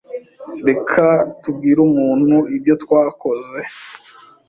Reka tubwire umuntu ibyo twakoze.